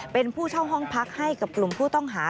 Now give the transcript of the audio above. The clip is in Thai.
เป็นผู้เช่าห้องพักให้กับกลุ่มผู้ต้องหา